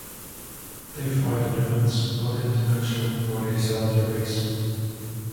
They find an immense, but empty mansion, where they set up their base.